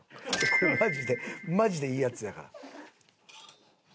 これマジでマジでいいやつやから。